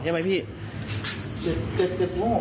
เขาไม่พูด